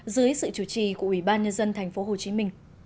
dưới sự chủ trì của ủy ban nhân dân tp hcm